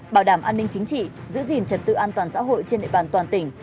bảo đảm an ninh chính trị giữ gìn trật tự an toàn xã hội trên địa bàn toàn tỉnh